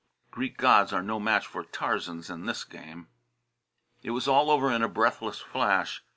Greek gods are no match for Tarzans in this game. It was all over in a breathless flash.